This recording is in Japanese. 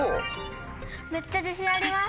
めっちゃ自信あります！